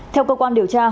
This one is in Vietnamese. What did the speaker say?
theo cơ quan điều tra